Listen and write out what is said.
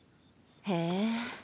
へえ。